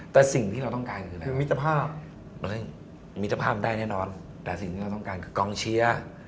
แต่สิ่งที่เราต้องการคืออะไรคือมิตรภาพมิตรภาพได้แน่นอนแต่สิ่งที่เราต้องการคือกองเชียร์